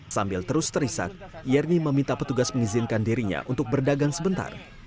sambil terus terisak yerni meminta petugas mengizinkan dirinya untuk berdagang sebentar